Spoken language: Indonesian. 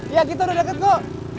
ya kita udah deket kok